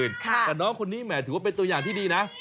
น้องสรุปของคนนี้มันถือว่าตัวเองดีนี่นะ